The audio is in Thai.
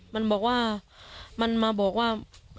มันมาบอกว่า